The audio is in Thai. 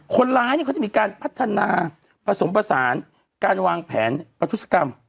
คนร้ายนี่เขาก็จะมีการพัฒนาผสมประสานการวางแผนพัฒนศึกรรม